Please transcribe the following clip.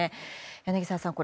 柳澤さん